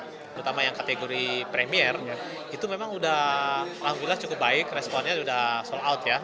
terutama yang kategori premier itu memang sudah alhamdulillah cukup baik responnya sudah sold out ya